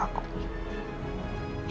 dua duanya prioritas buat aku